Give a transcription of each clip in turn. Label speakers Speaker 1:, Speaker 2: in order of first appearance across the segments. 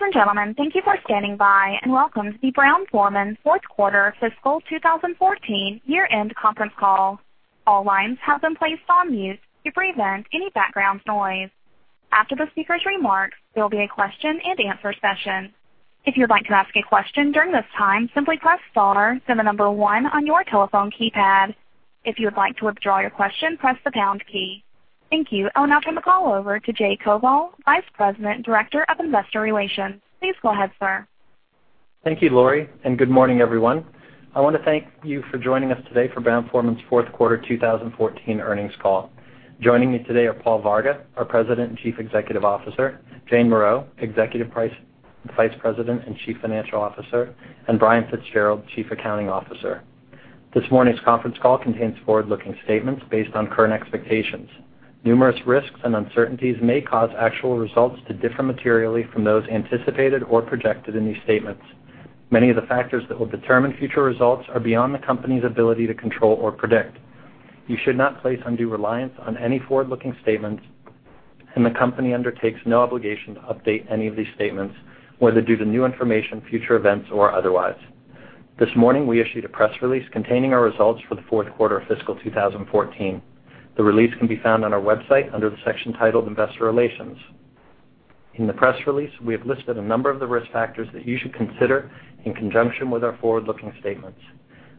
Speaker 1: Ladies and gentlemen, thank you for standing by, and welcome to the Brown-Forman fourth quarter fiscal 2014 year-end conference call. All lines have been placed on mute to prevent any background noise. After the speakers' remarks, there'll be a question and answer session. If you'd like to ask a question during this time, simply press star, then the number one on your telephone keypad. If you would like to withdraw your question, press the pound key. Thank you. I'll now turn the call over to Jay Koval, Vice President, Director of Investor Relations. Please go ahead, sir.
Speaker 2: Thank you, Lorrie. Good morning, everyone. I want to thank you for joining us today for Brown-Forman's fourth quarter 2014 earnings call. Joining me today are Paul Varga, our President and Chief Executive Officer; Jane Morreau, Executive Vice President and Chief Financial Officer; Brian Fitzgerald, Chief Accounting Officer. This morning's conference call contains forward-looking statements based on current expectations. Numerous risks and uncertainties may cause actual results to differ materially from those anticipated or projected in these statements. Many of the factors that will determine future results are beyond the company's ability to control or predict. You should not place undue reliance on any forward-looking statements. The company undertakes no obligation to update any of these statements, whether due to new information, future events, or otherwise. This morning, we issued a press release containing our results for the fourth quarter of fiscal 2014. The release can be found on our website under the section titled Investor Relations. In the press release, we have listed a number of the risk factors that you should consider in conjunction with our forward-looking statements.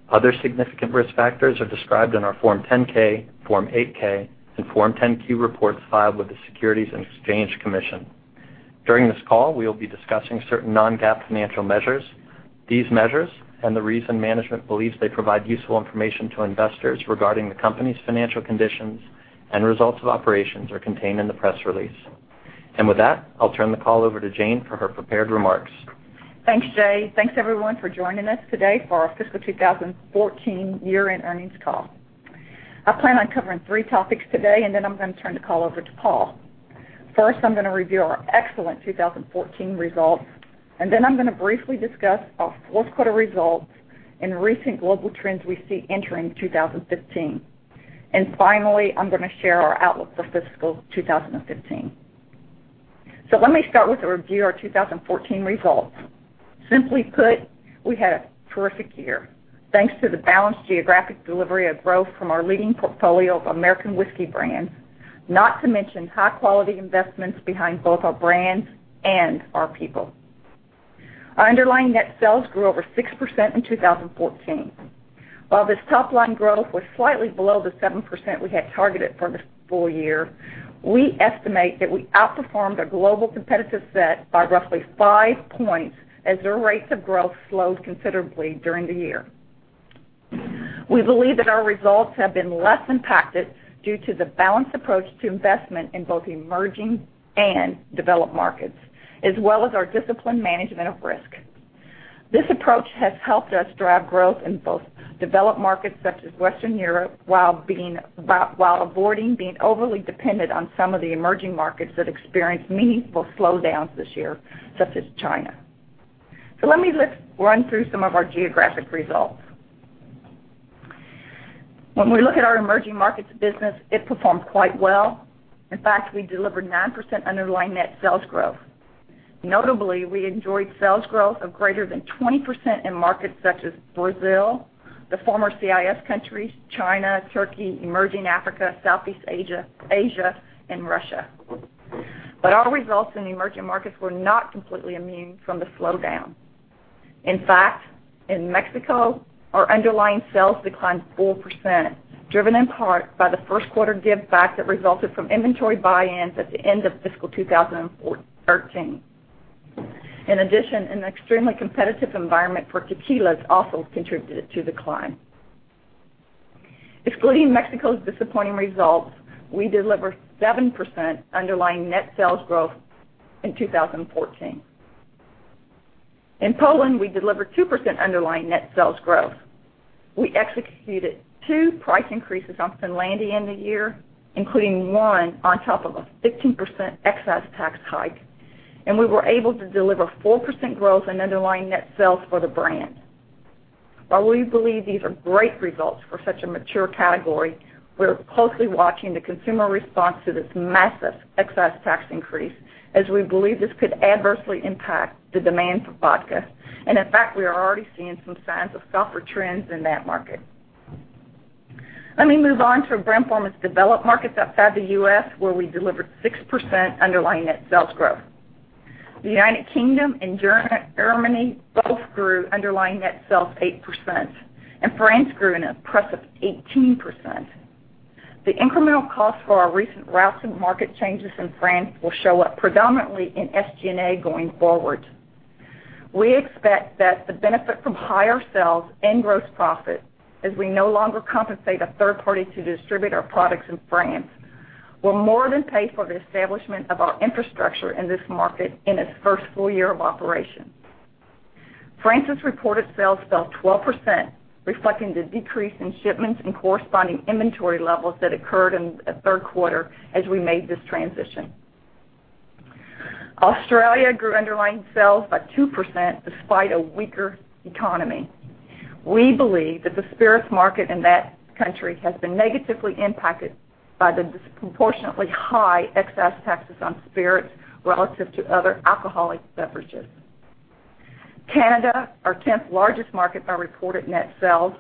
Speaker 2: Other significant risk factors are described in our Form 10-K, Form 8-K, and Form 10-Q reports filed with the Securities and Exchange Commission. During this call, we will be discussing certain non-GAAP financial measures. These measures and the reason management believes they provide useful information to investors regarding the company's financial conditions and results of operations are contained in the press release. With that, I'll turn the call over to Jane for her prepared remarks.
Speaker 3: Thanks, Jay. Thanks, everyone, for joining us today for our fiscal 2014 year-end earnings call. I plan on covering three topics today. Then I'm going to turn the call over to Paul. First, I'm going to review our excellent 2014 results. Then I'm going to briefly discuss our fourth quarter results and recent global trends we see entering 2015. Finally, I'm going to share our outlook for fiscal 2015. Let me start with a review of our 2014 results. Simply put, we had a terrific year, thanks to the balanced geographic delivery of growth from our leading portfolio of American whiskey brands, not to mention high-quality investments behind both our brands and our people. Our underlying net sales grew over 6% in 2014. While this top-line growth was slightly below the 7% we had targeted for the full year, we estimate that we outperformed our global competitive set by roughly five points as their rates of growth slowed considerably during the year. We believe that our results have been less impacted due to the balanced approach to investment in both emerging and developed markets, as well as our disciplined management of risk. This approach has helped us drive growth in both developed markets, such as Western Europe, while avoiding being overly dependent on some of the emerging markets that experienced meaningful slowdowns this year, such as China. Let me just run through some of our geographic results. When we look at our emerging markets business, it performed quite well. In fact, we delivered 9% underlying net sales growth. Notably, we enjoyed sales growth of greater than 20% in markets such as Brazil, the former CIS countries, China, Turkey, emerging Africa, Southeast Asia, and Russia. Our results in the emerging markets were not completely immune from the slowdown. In fact, in Mexico, our underlying sales declined 4%, driven in part by the first quarter give back that resulted from inventory buy-ins at the end of fiscal 2013. In addition, an extremely competitive environment for tequila has also contributed to the decline. Excluding Mexico's disappointing results, we delivered 7% underlying net sales growth in 2014. In Poland, we delivered 2% underlying net sales growth. We executed two price increases on Finlandia in the year, including one on top of a 15% excise tax hike, and we were able to deliver 4% growth in underlying net sales for the brand. While we believe these are great results for such a mature category, we're closely watching the consumer response to this massive excise tax increase, as we believe this could adversely impact the demand for vodka, and in fact, we are already seeing some signs of softer trends in that market. Let me move on to Brown-Forman's developed markets outside the U.S., where we delivered 6% underlying net sales growth. The United Kingdom and Germany both grew underlying net sales 8%, and France grew an impressive 18%. The incremental cost for our recent routes-to-market changes in France will show up predominantly in SG&A going forward. We expect that the benefit from higher sales and gross profit, as we no longer compensate a third party to distribute our products in France, will more than pay for the establishment of our infrastructure in this market in its first full year of operation. France's reported sales fell 12%, reflecting the decrease in shipments and corresponding inventory levels that occurred in the third quarter as we made this transition. Australia grew underlying sales by 2% despite a weaker economy. We believe that the spirits market in that country has been negatively impacted by the disproportionately high excess taxes on spirits relative to other alcoholic beverages. Canada, our 10th largest market by reported net sales,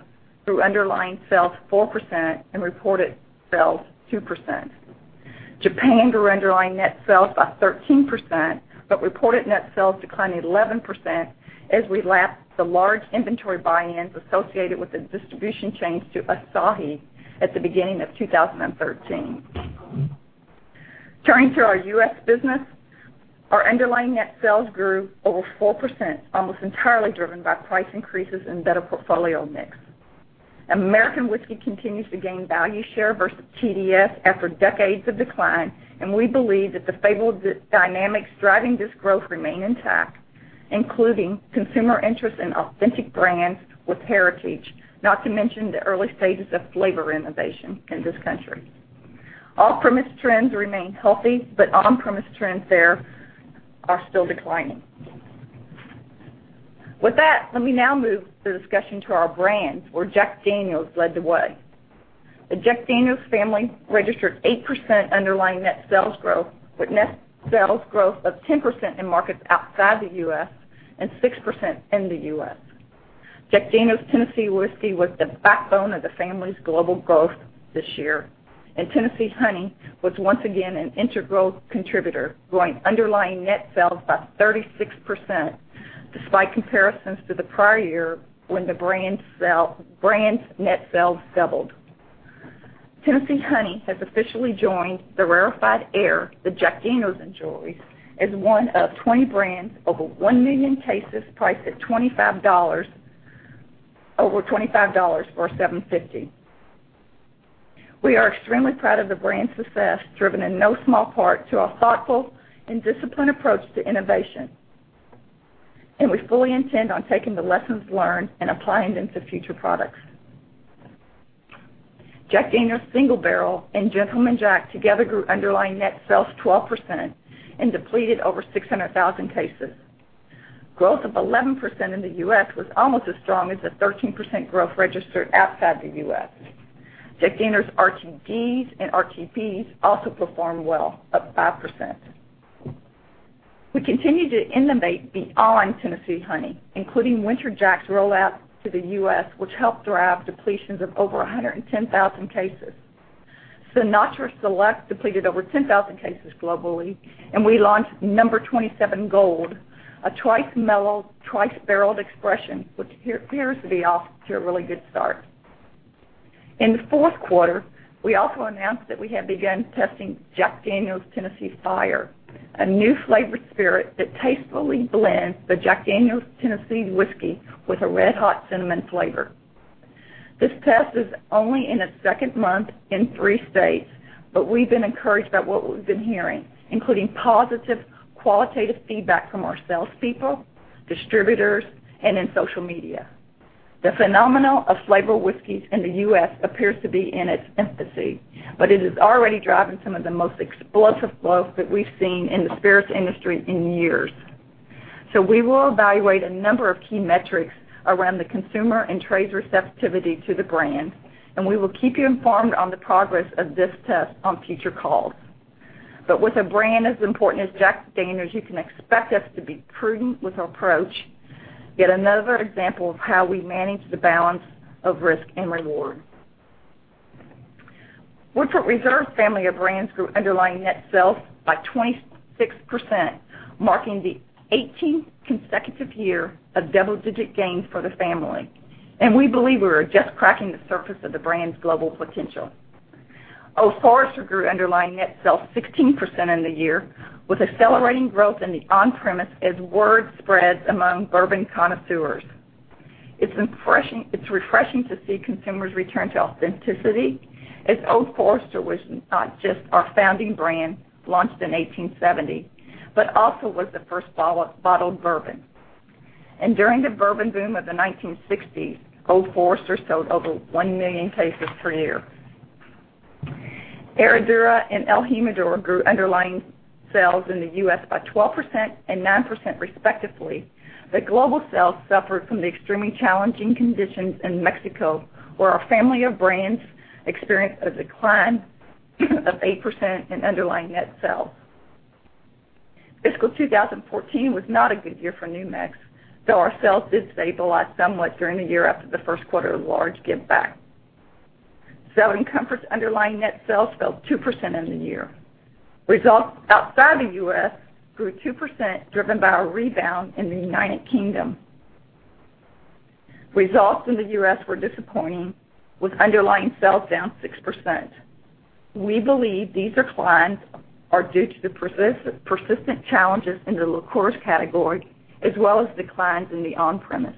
Speaker 3: grew underlying sales 4% and reported sales 2%. Japan grew underlying net sales by 13%. Reported net sales declined 11% as we lapped the large inventory buy-ins associated with the distribution change to Asahi at the beginning of 2013. Turning to our U.S. business, our underlying net sales grew over 4%, almost entirely driven by price increases and better portfolio mix. American whiskey continues to gain value share versus TDS after decades of decline. We believe that the favorable dynamics driving this growth remain intact, including consumer interest in authentic brands with heritage, not to mention the early stages of flavor innovation in this country. Off-premise trends remain healthy. On-premise trends there are still declining. With that, let me now move the discussion to our brands, where Jack Daniel's led the way. The Jack Daniel's family registered 8% underlying net sales growth, with net sales growth of 10% in markets outside the U.S. and 6% in the U.S. Jack Daniel's Tennessee Whiskey was the backbone of the family's global growth this year. Tennessee Honey was once again an integral contributor, growing underlying net sales by 36%, despite comparisons to the prior year when the brand's net sales doubled. Tennessee Honey has officially joined the rarefied air, the Jack Daniel's as one of 20 brands over one million cases priced over $25 for a 750. We are extremely proud of the brand's success, driven in no small part to a thoughtful and disciplined approach to innovation. We fully intend on taking the lessons learned and applying them to future products. Jack Daniel's Single Barrel and Gentleman Jack together grew underlying net sales 12% and depleted over 600,000 cases. Growth of 11% in the U.S. was almost as strong as the 13% growth registered outside the U.S. Jack Daniel's RTDs and RTPs also performed well, up 5%. We continue to innovate beyond Tennessee Honey, including Winter Jack's rollout to the U.S., which helped drive depletions of over 110,000 cases. Sinatra Select depleted over 10,000 cases globally. We launched No. 27 Gold, a twice mellowed, twice barreled expression, which appears to be off to a really good start. In the fourth quarter, we also announced that we have begun testing Jack Daniel's Tennessee Fire, a new flavored spirit that tastefully blends the Jack Daniel's Tennessee Whiskey with a red-hot cinnamon flavor. This test is only in its second month in three states. We've been encouraged by what we've been hearing, including positive qualitative feedback from our salespeople, distributors, and in social media. The phenomenon of flavored whiskeys in the U.S. appears to be in its infancy. It is already driving some of the most explosive growth that we've seen in the spirits industry in years. We will evaluate a number of key metrics around the consumer and trade receptivity to the brand. We will keep you informed on the progress of this test on future calls. With a brand as important as Jack Daniel's, you can expect us to be prudent with our approach, yet another example of how we manage the balance of risk and reward. Woodford Reserve family of brands grew underlying net sales by 26%, marking the 18th consecutive year of double-digit gains for the family. We believe we are just cracking the surface of the brand's global potential. Old Forester grew underlying net sales 16% in the year, with accelerating growth in the on-premise as word spreads among bourbon connoisseurs. It's refreshing to see consumers return to authenticity, as Old Forester was not just our founding brand, launched in 1870, but also was the first bottled bourbon. During the bourbon boom of the 1960s, Old Forester sold over 1 million cases per year. Herradura and el Jimador grew underlying sales in the U.S. by 12% and 9% respectively, global sales suffered from the extremely challenging conditions in Mexico, where our family of brands experienced a decline of 8% in underlying net sales. FY 2014 was not a good year for New Mix, though our sales did stabilize somewhat during the year after the first quarter of large give back. Southern Comfort's underlying net sales fell 2% in the year. Results outside the U.S. grew 2%, driven by a rebound in the U.K. Results in the U.S. were disappointing, with underlying sales down 6%. We believe these declines are due to the persistent challenges in the liqueur category, as well as declines in the on-premise.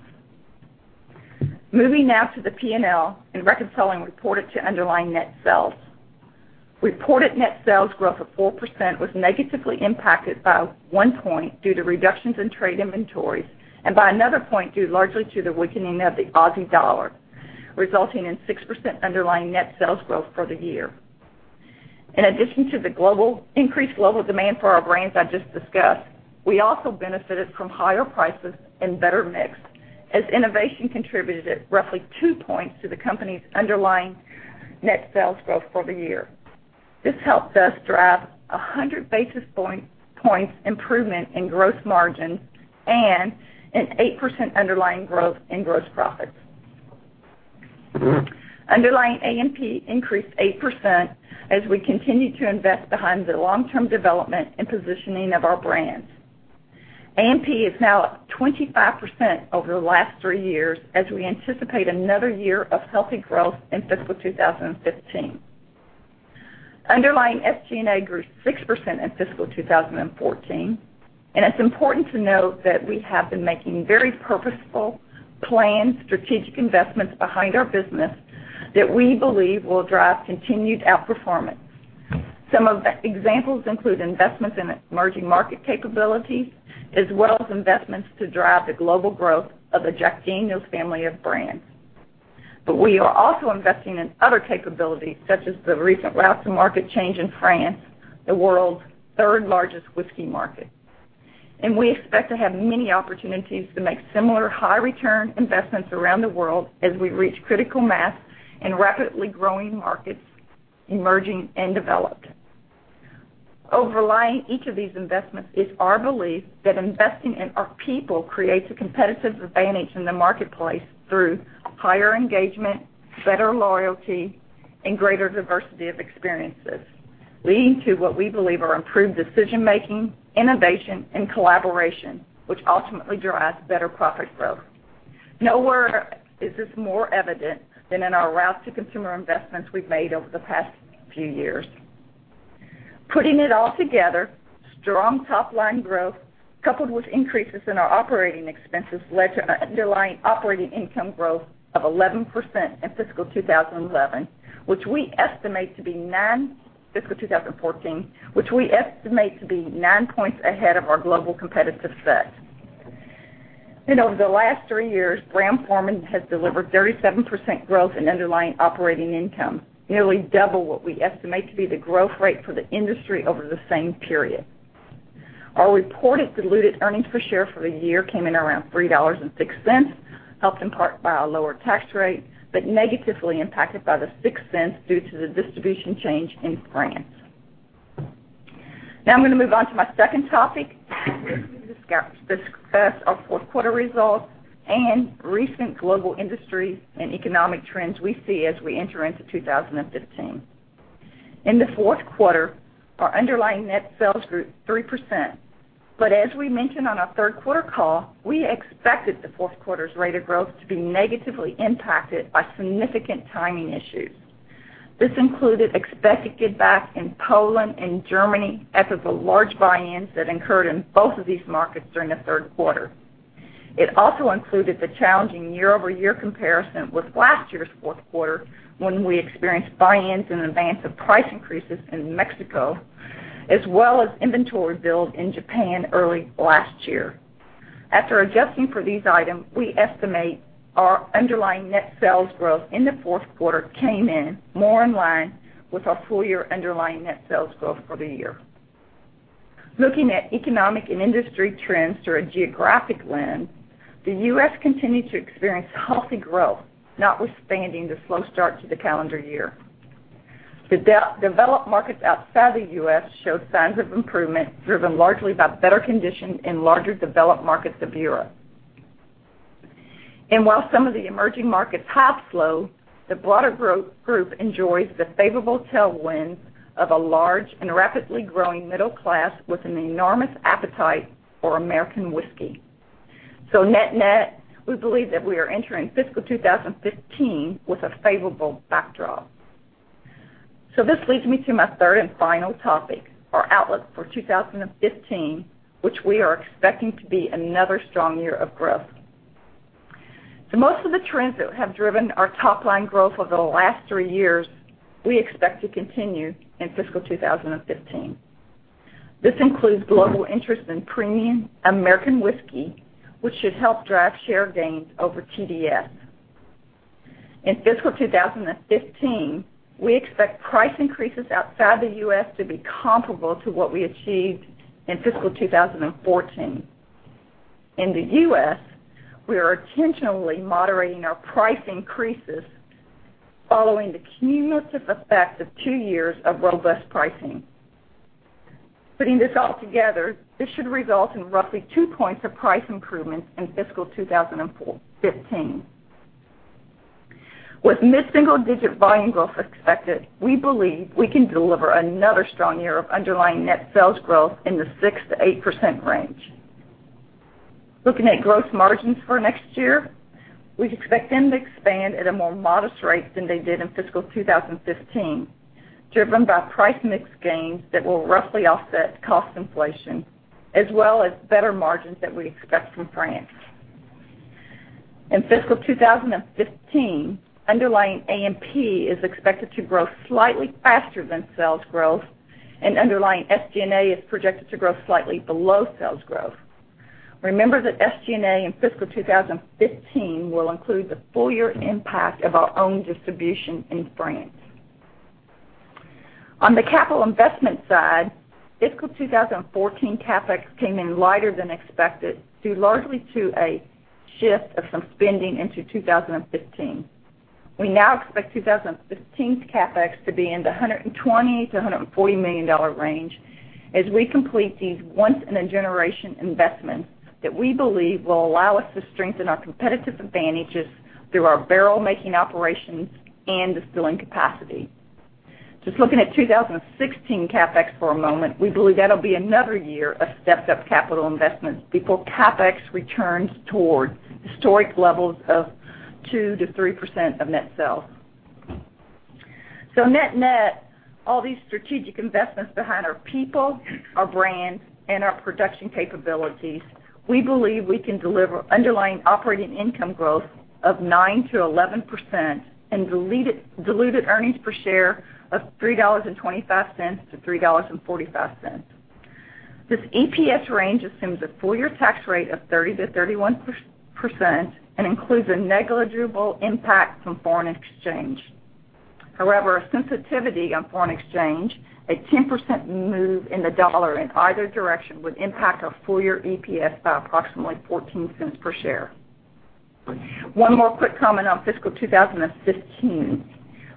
Speaker 3: Moving now to the P&L and reconciling reported to underlying net sales. Reported net sales growth of 4% was negatively impacted by 1 point due to reductions in trade inventories and by another 1 point, due largely to the weakening of the AUD, resulting in 6% underlying net sales growth for the year. In addition to the increased global demand for our brands I just discussed, we also benefited from higher prices and better mix, as innovation contributed at roughly 2 points to the company's underlying net sales growth for the year. This helped us drive 100 basis points improvement in gross margin and an 8% underlying growth in gross profits. Underlying AMP increased 8% as we continued to invest behind the long-term development and positioning of our brands. AMP is now up 25% over the last 3 years as we anticipate another year of healthy growth in FY 2015. Underlying SG&A grew 6% in FY 2014, it's important to note that we have been making very purposeful, planned, strategic investments behind our business that we believe will drive continued outperformance. Some of the examples include investments in emerging market capabilities, as well as investments to drive the global growth of the Jack Daniel's family of brands. We are also investing in other capabilities, such as the recent route-to-market change in France, the world's third-largest whiskey market. We expect to have many opportunities to make similar high-return investments around the world as we reach critical mass in rapidly growing markets, emerging and developed. Overlaying each of these investments is our belief that investing in our people creates a competitive advantage in the marketplace through higher engagement, better loyalty, and greater diversity of experiences, leading to what we believe are improved decision-making, innovation, and collaboration, which ultimately drives better profit growth. Nowhere is this more evident than in our route-to-consumer investments we've made over the past few years. Putting it all together, strong top-line growth, coupled with increases in our operating expenses, led to underlying operating income growth of 11% in FY 2014, which we estimate to be 9 points ahead of our global competitive set. Over the last three years, Brown-Forman has delivered 37% growth in underlying operating income, nearly double what we estimate to be the growth rate for the industry over the same period. Our reported diluted earnings per share for the year came in around $3.06, helped in part by our lower tax rate, but negatively impacted by $0.06 due to the distribution change in France. I'm going to move on to my second topic to discuss our fourth quarter results and recent global industry and economic trends we see as we enter into 2015. In the fourth quarter, our underlying net sales grew 3%, as we mentioned on our third quarter call, we expected the fourth quarter's rate of growth to be negatively impacted by significant timing issues. This included expected giveback in Poland and Germany after the large buy-ins that incurred in both of these markets during the third quarter. It also included the challenging year-over-year comparison with last year's fourth quarter, when we experienced buy-ins in advance of price increases in Mexico, as well as inventory build in Japan early last year. After adjusting for these items, we estimate our underlying net sales growth in the fourth quarter came in more in line with our full-year underlying net sales growth for the year. Looking at economic and industry trends through a geographic lens, the U.S. continued to experience healthy growth, notwithstanding the slow start to the calendar year. The developed markets outside the U.S. showed signs of improvement, driven largely by better conditions in larger developed markets of Europe. While some of the emerging markets have slowed, the broader group enjoys the favorable tailwind of a large and rapidly growing middle class with an enormous appetite for American whiskey. Net-net, we believe that we are entering fiscal 2015 with a favorable backdrop. This leads me to my third and final topic, our outlook for 2015, which we are expecting to be another strong year of growth. Most of the trends that have driven our top-line growth over the last three years, we expect to continue in fiscal 2015. This includes global interest in premium American whiskey, which should help drive share gains over TDS. In fiscal 2015, we expect price increases outside the U.S. to be comparable to what we achieved in fiscal 2014. In the U.S., we are intentionally moderating our price increases following the cumulative effect of two years of robust pricing. Putting this all together, this should result in roughly two points of price improvement in fiscal 2015. With mid-single-digit volume growth expected, we believe we can deliver another strong year of underlying net sales growth in the 6%-8% range. Looking at gross margins for next year, we expect them to expand at a more modest rate than they did in fiscal 2015, driven by price mix gains that will roughly offset cost inflation, as well as better margins that we expect from France. In fiscal 2015, underlying AMP is expected to grow slightly faster than sales growth, and underlying SG&A is projected to grow slightly below sales growth. Remember that SG&A in fiscal 2015 will include the full year impact of our own distribution in France. On the capital investment side, fiscal 2014 CapEx came in lighter than expected, due largely to a shift of some spending into 2015. We now expect 2015's CapEx to be in the $120 million-$140 million range as we complete these once-in-a-generation investments that we believe will allow us to strengthen our competitive advantages through our barrel-making operations and distilling capacity. Just looking at 2016 CapEx for a moment, we believe that'll be another year of stepped-up capital investments before CapEx returns towards historic levels of 2%-3% of net sales. Net-net, all these strategic investments behind our people, our brands, and our production capabilities, we believe we can deliver underlying operating income growth of 9%-11%, and diluted earnings per share of $3.25-$3.45. This EPS range assumes a full-year tax rate of 30%-31% and includes a negligible impact from foreign exchange. However, a sensitivity on foreign exchange, a 10% move in the dollar in either direction, would impact our full-year EPS by approximately $0.14 per share. One more quick comment on fiscal 2015.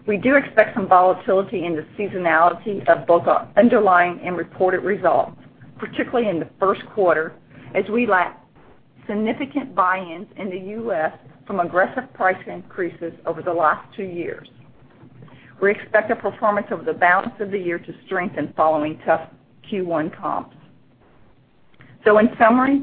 Speaker 3: We do expect some volatility in the seasonality of both our underlying and reported results, particularly in the first quarter, as we lack significant buy-ins in the U.S. from aggressive price increases over the last two years. We expect the performance of the balance of the year to strengthen following tough Q1 comps. In summary,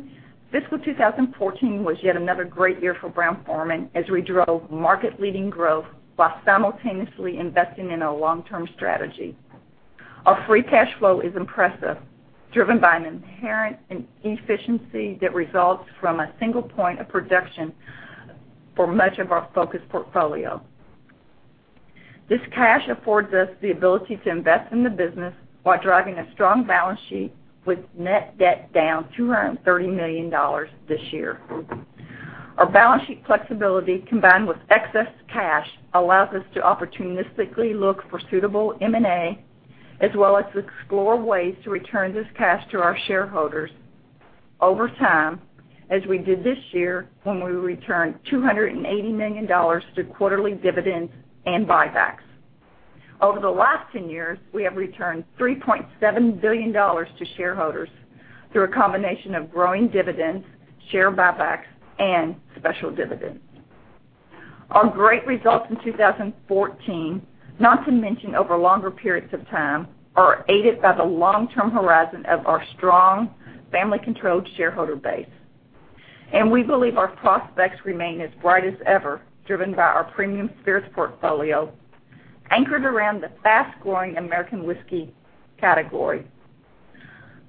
Speaker 3: fiscal 2014 was yet another great year for Brown-Forman as we drove market-leading growth while simultaneously investing in our long-term strategy. Our free cash flow is impressive, driven by an inherent efficiency that results from a single point of production for much of our focused portfolio. This cash affords us the ability to invest in the business while driving a strong balance sheet with net debt down $230 million this year. Our balance sheet flexibility, combined with excess cash, allows us to opportunistically look for suitable M&A, as well as explore ways to return this cash to our shareholders over time, as we did this year when we returned $280 million through quarterly dividends and buybacks. Over the last 10 years, we have returned $3.7 billion to shareholders through a combination of growing dividends, share buybacks, and special dividends. Our great results in 2014, not to mention over longer periods of time, are aided by the long-term horizon of our strong family-controlled shareholder base. We believe our prospects remain as bright as ever, driven by our premium spirits portfolio, anchored around the fast-growing American whiskey category.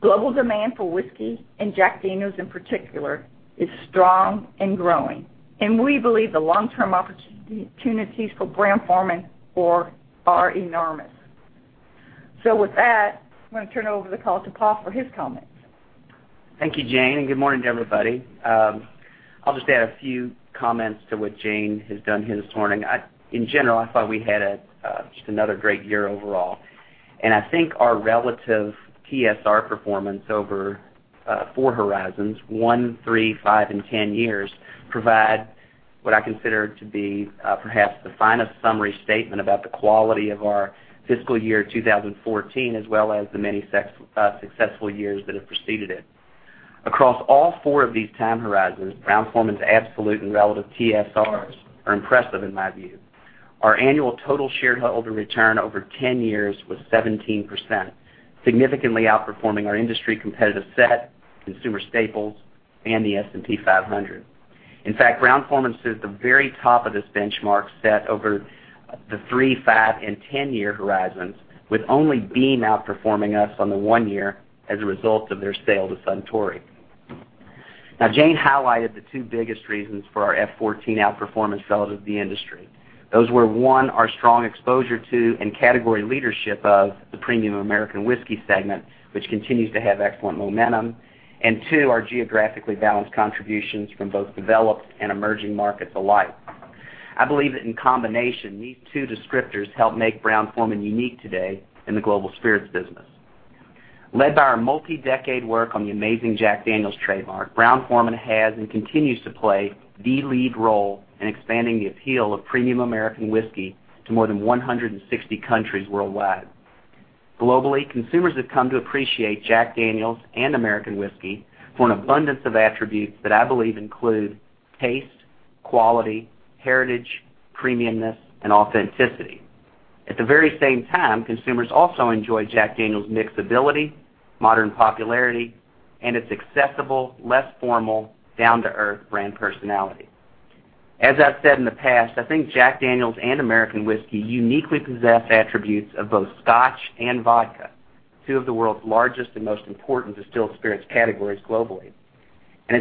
Speaker 3: Global demand for whiskey and Jack Daniel's, in particular, is strong and growing, and we believe the long-term opportunities for Brown-Forman are enormous. With that, I'm going to turn over the call to Paul for his comments.
Speaker 4: Thank you, Jane, good morning to everybody. I'll just add a few comments to what Jane has done here this morning. In general, I thought we had just another great year overall, I think our relative TSR performance over four horizons, one, three, five, and 10 years, provide what I consider to be perhaps the finest summary statement about the quality of our fiscal year 2014, as well as the many successful years that have preceded it. Across all four of these time horizons, Brown-Forman's absolute and relative TSRs are impressive in my view. Our annual total shareholder return over 10 years was 17%, significantly outperforming our industry competitive set, consumer staples, and the S&P 500. In fact, Brown-Forman sits at the very top of this benchmark set over the three, five, and 10-year horizons, with only Beam outperforming us on the one year as a result of their sale to Suntory. Jane highlighted the two biggest reasons for our FY 2014 outperformance relative to the industry. Those were, 1, our strong exposure to and category leadership of the premium American whiskey segment, which continues to have excellent momentum. 2, our geographically balanced contributions from both developed and emerging markets alike. I believe that in combination, these two descriptors help make Brown-Forman unique today in the global spirits business. Led by our multi-decade work on the amazing Jack Daniel's trademark, Brown-Forman has and continues to play the lead role in expanding the appeal of premium American whiskey to more than 160 countries worldwide. Globally, consumers have come to appreciate Jack Daniel's and American whiskey for an abundance of attributes that I believe include taste, quality, heritage, premiumness, and authenticity. At the very same time, consumers also enjoy Jack Daniel's mixability, modern popularity, and its accessible, less formal, down-to-earth brand personality. As I've said in the past, I think Jack Daniel's and American whiskey uniquely possess attributes of both Scotch and vodka, two of the world's largest and most important distilled spirits categories globally. As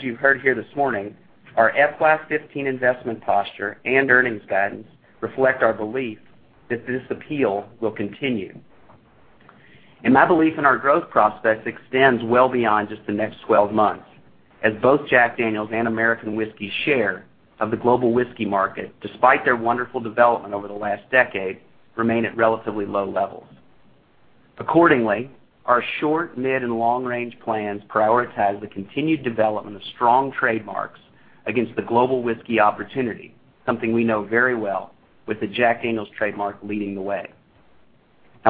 Speaker 4: you've heard here this morning, our FY 2015 investment posture and earnings guidance reflect our belief that this appeal will continue. My belief in our growth prospects extends well beyond just the next 12 months, as both Jack Daniel's and American Whiskey's share of the global whiskey market, despite their wonderful development over the last decade, remain at relatively low levels. Accordingly, our short, mid, and long-range plans prioritize the continued development of strong trademarks against the global whiskey opportunity, something we know very well with the Jack Daniel's trademark leading the way.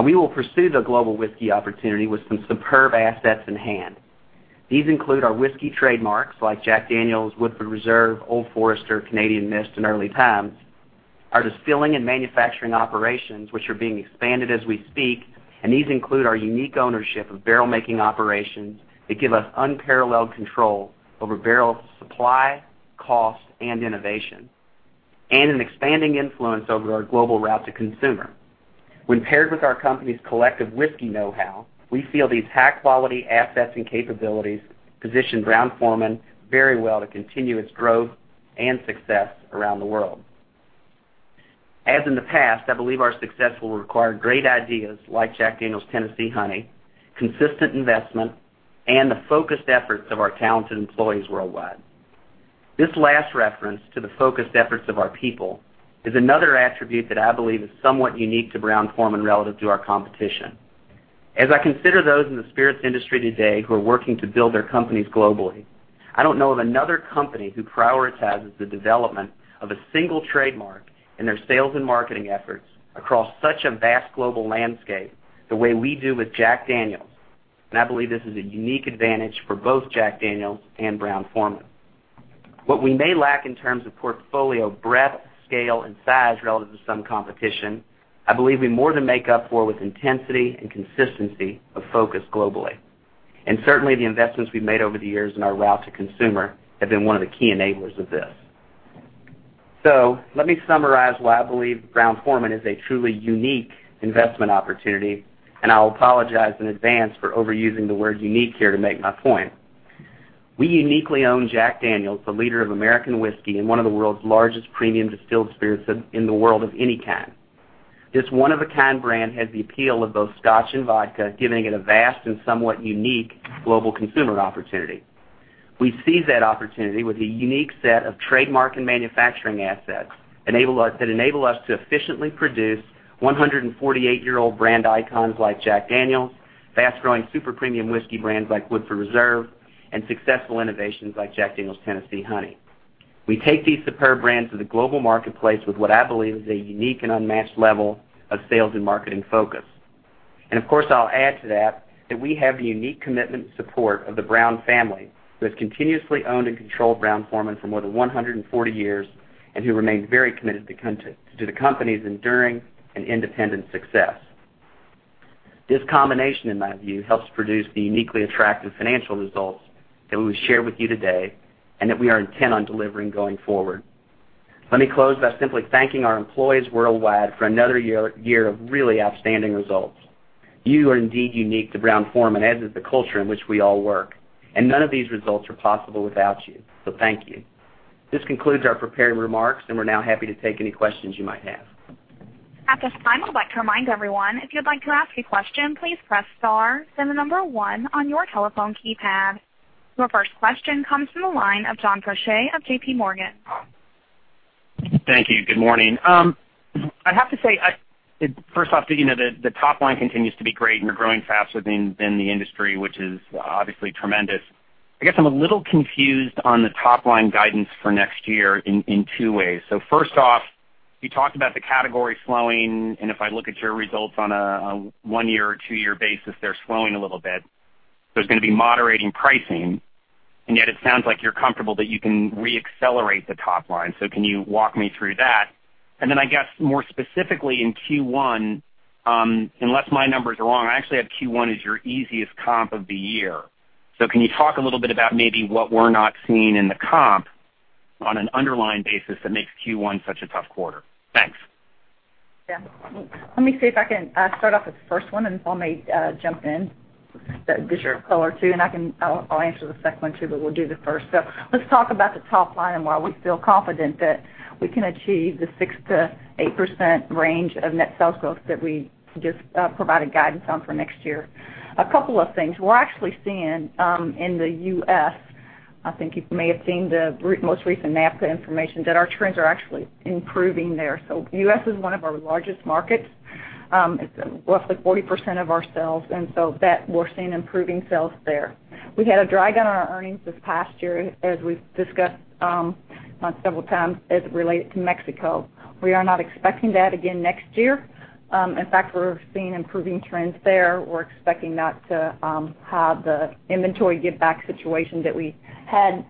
Speaker 4: We will pursue the global whiskey opportunity with some superb assets in hand. These include our whiskey trademarks like Jack Daniel's, Woodford Reserve, Old Forester, Canadian Mist, and Early Times, our distilling and manufacturing operations, which are being expanded as we speak, and these include our unique ownership of barrel-making operations that give us unparalleled control over barrel supply, cost, and innovation, and an expanding influence over our global route to consumer. When paired with our company's collective whiskey know-how, we feel these high-quality assets and capabilities position Brown-Forman very well to continue its growth and success around the world. As in the past, I believe our success will require great ideas like Jack Daniel's Tennessee Honey, consistent investment, and the focused efforts of our talented employees worldwide. This last reference to the focused efforts of our people is another attribute that I believe is somewhat unique to Brown-Forman relative to our competition. As I consider those in the spirits industry today who are working to build their companies globally, I don't know of another company who prioritizes the development of a single trademark in their sales and marketing efforts across such a vast global landscape the way we do with Jack Daniel's, and I believe this is a unique advantage for both Jack Daniel's and Brown-Forman. What we may lack in terms of portfolio breadth, scale, and size relative to some competition, I believe we more than make up for with intensity and consistency of focus globally. Certainly, the investments we've made over the years in our route to consumer have been one of the key enablers of this. Let me summarize why I believe Brown-Forman is a truly unique investment opportunity, and I'll apologize in advance for overusing the word unique here to make my point. We uniquely own Jack Daniel's, the leader of American Whiskey and one of the world's largest premium distilled spirits in the world of any kind. This one-of-a-kind brand has the appeal of both Scotch and vodka, giving it a vast and somewhat unique global consumer opportunity. We seize that opportunity with a unique set of trademark and manufacturing assets that enable us to efficiently produce 148-year-old brand icons like Jack Daniel's, fast-growing super premium whiskey brands like Woodford Reserve, and successful innovations like Jack Daniel's Tennessee Honey. We take these superb brands to the global marketplace with what I believe is a unique and unmatched level of sales and marketing focus. Of course, I'll add to that we have the unique commitment and support of the Brown family, who has continuously owned and controlled Brown-Forman for more than 140 years, and who remains very committed to the company's enduring and independent success. This combination, in my view, helps produce the uniquely attractive financial results that we've shared with you today and that we are intent on delivering going forward. Let me close by simply thanking our employees worldwide for another year of really outstanding results. You are indeed unique to Brown-Forman, as is the culture in which we all work, and none of these results are possible without you. Thank you. This concludes our prepared remarks, and we're now happy to take any questions you might have.
Speaker 1: At this time, I would like to remind everyone, if you'd like to ask a question, please press star, then the number one on your telephone keypad. Your first question comes from the line of John Faucher of J.P. Morgan.
Speaker 5: Thank you. Good morning. I'd have to say, first off, the top line continues to be great, and you're growing faster than the industry, which is obviously tremendous. First off, you talked about the category slowing, and if I look at your results on a one-year or two-year basis, they're slowing a little bit. There's going to be moderating pricing, and yet it sounds like you're comfortable that you can re-accelerate the top line. Can you walk me through that? I guess, more specifically in Q1, unless my numbers are wrong, I actually have Q1 as your easiest comp of the year. Can you talk a little bit about maybe what we're not seeing in the comp on an underlying basis that makes Q1 such a tough quarter? Thanks.
Speaker 3: Yeah. Let me see if I can start off with the first one, and Paul may jump in. Is your color, too, and I'll answer the second one too, but we'll do the first. Let's talk about the top line and why we feel confident that we can achieve the 6%-8% range of net sales growth that we just provided guidance on for next year. A couple of things. We're actually seeing, in the U.S., I think you may have seen the most recent NABCA information, that our trends are actually improving there. The U.S. is one of our largest markets. It's roughly 40% of our sales, and so that we're seeing improving sales there. We had a drag on our earnings this past year, as we've discussed several times, as it related to Mexico. We are not expecting that again next year. In fact, we're seeing improving trends there. We're expecting not to have the inventory give-back situation that we had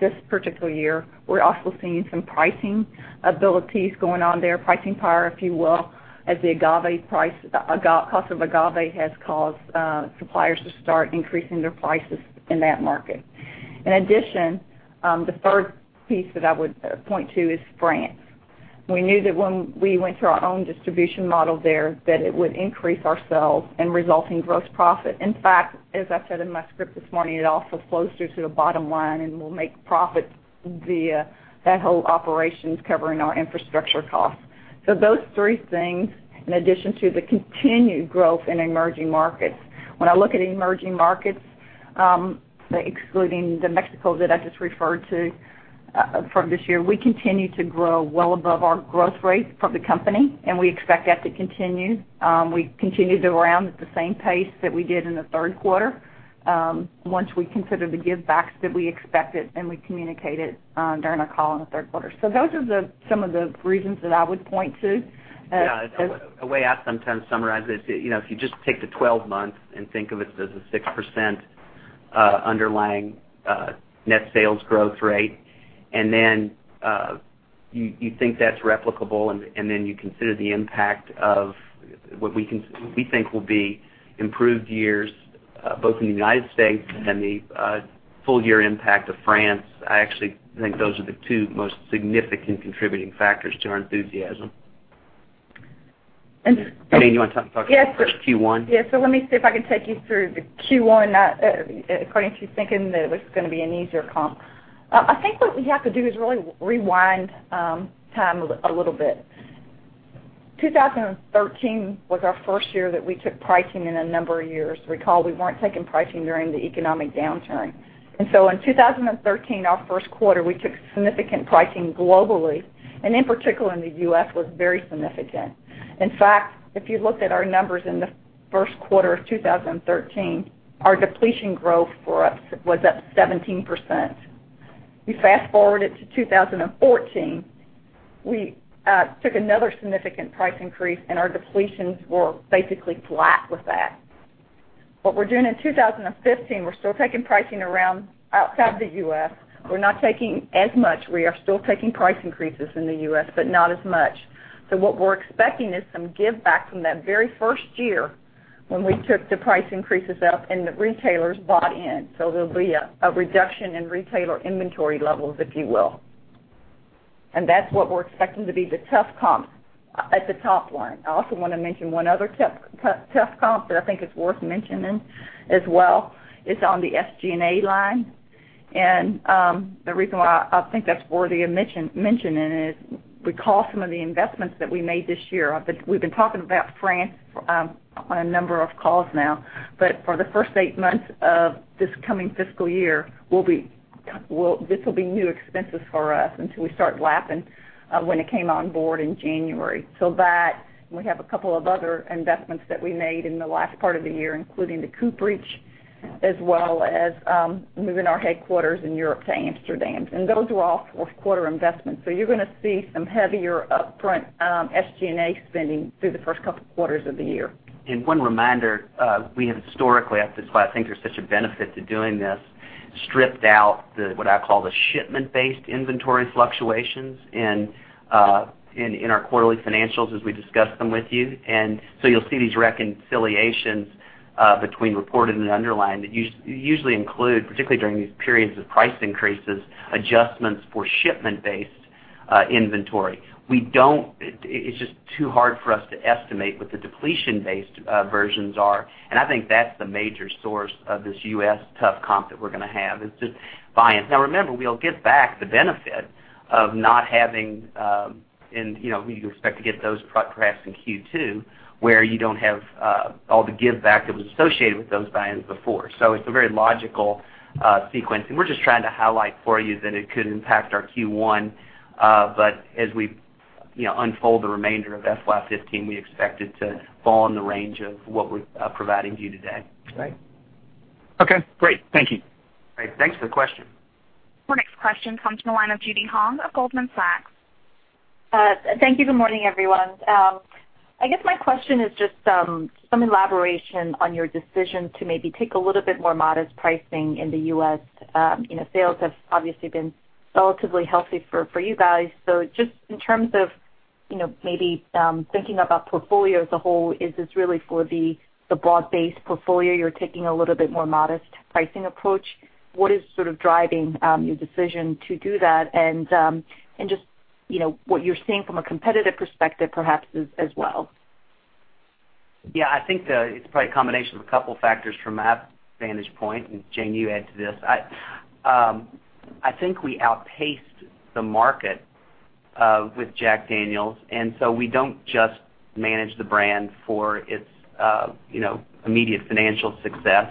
Speaker 3: this particular year. We're also seeing some pricing abilities going on there, pricing power, if you will, as the cost of agave has caused suppliers to start increasing their prices in that market. In addition, the third piece that I would point to is France. We knew that when we went to our own distribution model there, that it would increase our sales and result in gross profit. In fact, as I said in my script this morning, it also flows through to the bottom line and will make profits via that whole operations covering our infrastructure costs. Those three things, in addition to the continued growth in emerging markets. When I look at emerging markets excluding the Mexico that I just referred to from this year, we continue to grow well above our growth rate for the company, and we expect that to continue. We continue to round at the same pace that we did in the third quarter once we consider the give backs that we expected and we communicated during our call in the third quarter. Those are some of the reasons that I would point to.
Speaker 4: Yeah. A way I sometimes summarize it, if you just take the 12 months and think of it as a 6% underlying net sales growth rate, and then you think that is replicable and then you consider the impact of what we think will be improved years, both in the U.S. and the full year impact of France, I actually think those are the two most significant contributing factors to our enthusiasm. Jane, you want to talk about first Q1?
Speaker 3: Yes. Let me see if I can take you through the Q1, according to thinking that it was going to be an easier comp. I think what we have to do is really rewind time a little bit. 2013 was our first year that we took pricing in a number of years. Recall, we weren't taking pricing during the economic downturn. In 2013, our first quarter, we took significant pricing globally, and in particular, in the U.S., was very significant. In fact, if you looked at our numbers in the first quarter of 2013, our depletion growth for us was up 17%. We fast forward it to 2014, we took another significant price increase, and our depletions were basically flat with that. What we are doing in 2015, we are still taking pricing around outside the U.S. We are not taking as much. We are still taking price increases in the U.S., but not as much. What we are expecting is some give back from that very first year when we took the price increases up and the retailers bought in. There will be a reduction in retailer inventory levels, if you will. That is what we are expecting to be the tough comp at the top line. I also want to mention one other tough comp that I think is worth mentioning as well. It is on the SG&A line. The reason why I think that is worthy of mentioning it is recall some of the investments that we made this year. We have been talking about France on a number of calls now, but for the first eight months of this coming fiscal year, this will be new expenses for us until we start lapping when it came on board in January. We have a couple of other investments that we made in the last part of the year, including the cooperage, as well as moving our headquarters in Europe to Amsterdam. Those were all fourth quarter investments. You're going to see some heavier upfront SG&A spending through the first couple quarters of the year.
Speaker 4: One reminder, we have historically, that's why I think there's such a benefit to doing this, stripped out what I call the shipment-based inventory fluctuations in our quarterly financials as we discuss them with you. You'll see these reconciliations between reported and underlying that usually include, particularly during these periods of price increases, adjustments for shipment-based inventory. It's just too hard for us to estimate what the depletion-based versions are, and I think that's the major source of this U.S. tough comp that we're going to have. It's just buy-ins. Remember, we'll get back the benefit of not having, and we expect to get those perhaps in Q2, where you don't have all the give back that was associated with those buy-ins before. It's a very logical sequence, and we're just trying to highlight for you that it could impact our Q1, as we unfold the remainder of FY 2015, we expect it to fall in the range of what we're providing to you today.
Speaker 3: Right.
Speaker 5: Okay, great. Thank you.
Speaker 4: Great. Thanks for the question.
Speaker 1: Our next question comes from the line of Judy Hong of Goldman Sachs.
Speaker 6: Thank you. Good morning, everyone. I guess my question is just some elaboration on your decision to maybe take a little bit more modest pricing in the U.S. Sales have obviously been relatively healthy for you guys. Just in terms of maybe thinking about portfolio as a whole, is this really for the broad-based portfolio, you're taking a little bit more modest pricing approach? What is sort of driving your decision to do that? Just what you're seeing from a competitive perspective, perhaps, as well.
Speaker 4: Yeah, I think it's probably a combination of a couple factors from my vantage point, and Jane, you add to this. I think we outpaced the market with Jack Daniel's, we don't just manage the brand for its immediate financial success.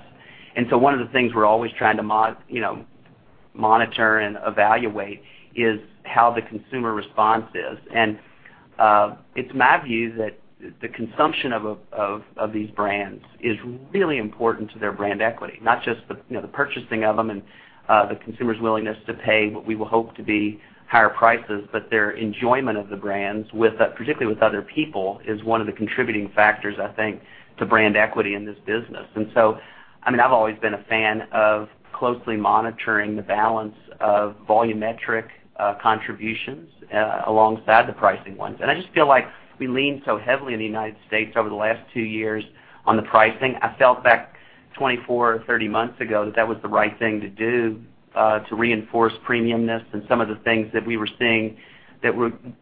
Speaker 4: One of the things we're always trying to monitor and evaluate is how the consumer response is. It's my view that the consumption of these brands is really important to their brand equity, not just the purchasing of them and the consumer's willingness to pay what we will hope to be higher prices, but their enjoyment of the brands, particularly with other people, is one of the contributing factors, I think, to brand equity in this business. I've always been a fan of closely monitoring the balance of volumetric contributions alongside the pricing ones. I just feel like we leaned so heavily in the U.S. over the last 2 years on the pricing. I felt back 24 or 30 months ago that that was the right thing to do, to reinforce premiumness and some of the things that we were seeing that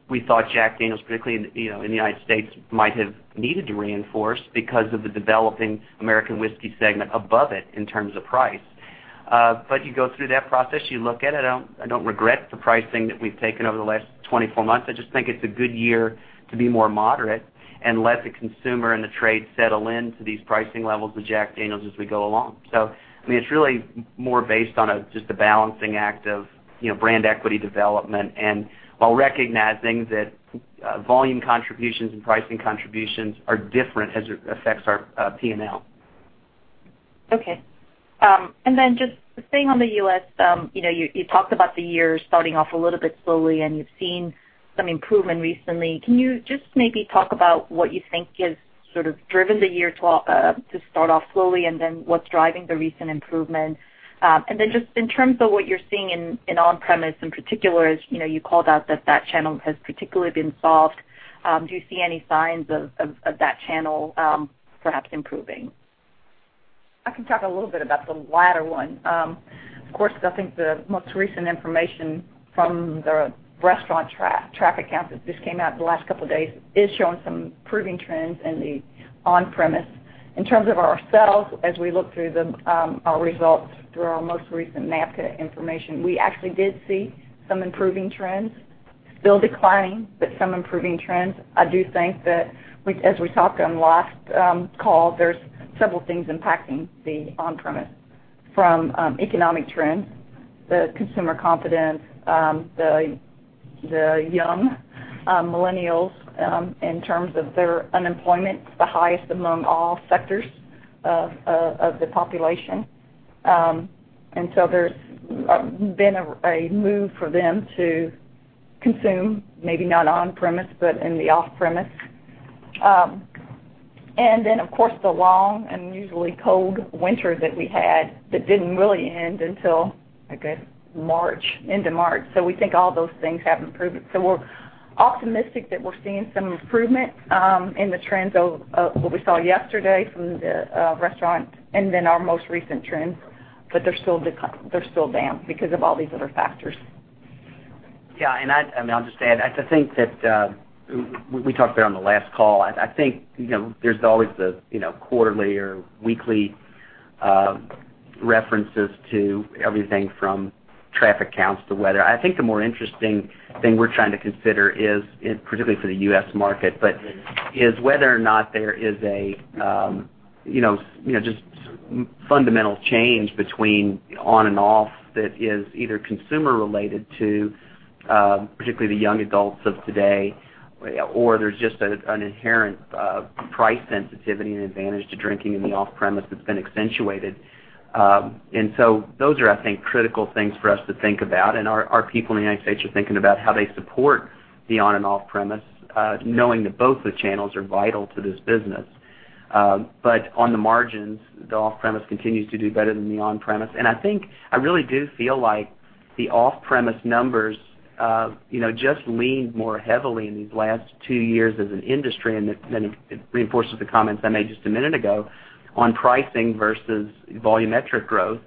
Speaker 4: we thought Jack Daniel's, particularly in the U.S., might have needed to reinforce because of the developing American whiskey segment above it in terms of price. You go through that process, you look at it. I don't regret the pricing that we've taken over the last 24 months. I just think it's a good year to be more moderate and let the consumer and the trade settle into these pricing levels with Jack Daniel's as we go along. It's really more based on just a balancing act of brand equity development and while recognizing that volume contributions and pricing contributions are different as it affects our P&L.
Speaker 6: Okay. Then just staying on the U.S., you talked about the year starting off a little bit slowly, and you've seen some improvement recently. Can you just maybe talk about what you think has driven the year to start off slowly, and then what's driving the recent improvement? Then just in terms of what you're seeing in on-premise in particular, as you called out that channel has particularly been soft. Do you see any signs of that channel perhaps improving?
Speaker 3: I can talk a little bit about the latter one. Of course, I think the most recent information from the restaurant traffic count that just came out in the last couple of days is showing some improving trends in the on-premise. In terms of ourselves, as we look through our results through our most recent NABCA information, we actually did see some improving trends, still declining, but some improving trends. I do think that as we talked on last call, there's several things impacting the on-premise, from economic trends, the consumer confidence, the young Millennials in terms of their unemployment, the highest among all sectors of the population. There's been a move for them to consume, maybe not on-premise, but in the off-premise. Then, of course, the long and usually cold winter that we had that didn't really end until, I guess, March, end of March. We think all those things have improved. We're optimistic that we're seeing some improvement in the trends of what we saw yesterday from the restaurant and then our most recent trends. They're still down because of all these other factors.
Speaker 4: Yeah. I'll just add, I think that, we talked about on the last call, I think, there's always the quarterly or weekly references to everything from traffic counts to weather. I think the more interesting thing we're trying to consider is, particularly for the U.S. market, but is whether or not there is a just fundamental change between on and off that is either consumer related to, particularly the young adults of today, or there's just an inherent price sensitivity and advantage to drinking in the off-premise that's been accentuated. Those are, I think, critical things for us to think about. Our people in the United States are thinking about how they support the on and off-premise, knowing that both the channels are vital to this business. On the margins, the off-premise continues to do better than the on-premise. I think I really do feel like the off-premise numbers just leaned more heavily in these last two years as an industry, and it reinforces the comments I made just a minute ago on pricing versus volumetric growth.